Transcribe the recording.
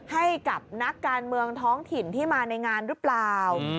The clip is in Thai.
ให้กับนักการเมืองท้องถิ่นที่มาในงานหรือเปล่า